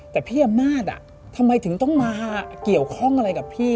แต่พี่อำนาจทำไมถึงต้องมาเกี่ยวข้องอะไรกับพี่